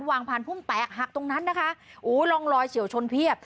วางพันธุ์พลุ่งแตกหักตรงนั้นนะคะโอ้โฮลองลอยเฉวงชนเพียบ